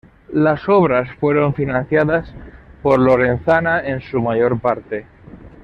Las obras fueron financiadas por Lorenzana en su mayor parte.